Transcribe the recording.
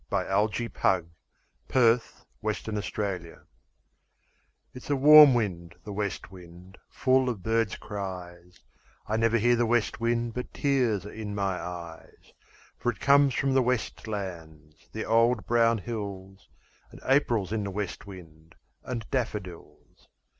John Masefield The West Wind IT'S a warm wind, the west wind, full of birds' cries; I never hear the west wind but tears are in my eyes. For it comes from the west lands, the old brown hills. And April's in the west wind, and daffodils.